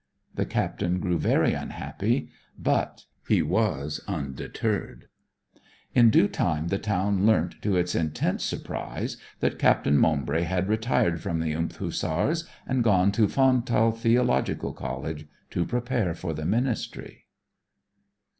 The Captain grew very unhappy; but he was undeterred. In due time the town learnt, to its intense surprise, that Captain Maumbry had retired from the th Hussars and gone to Fountall Theological College to prepare for the ministry.